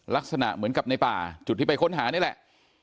ลักษณะเหมือนกับในป่าจุดที่ไปค้นหานี่แหละ